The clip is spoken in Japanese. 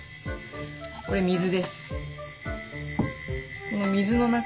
これ水です。